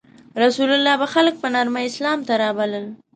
رسول الله به خلک په نرمۍ اسلام ته رابلل.